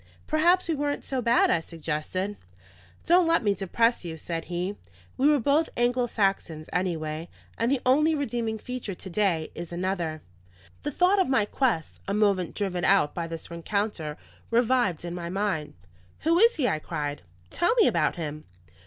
"Perhaps we weren't so bad," I suggested. "Don't let me depress you," said he. "We were both Anglo Saxons, anyway, and the only redeeming feature to day is another." The thought of my quest, a moment driven out by this rencounter, revived in my mind. "Who is he?" I cried. "Tell me about him."